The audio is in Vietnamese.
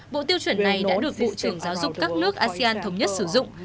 bộ tiêu chuẩn này đã được bộ trưởng giáo dục các nước asean thống nhất sử dụng